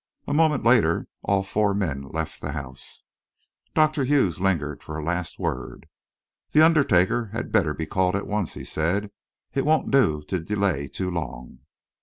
A moment later, all four men left the house. Dr. Hughes lingered for a last word. "The undertaker had better be called at once," he said. "It won't do to delay too long."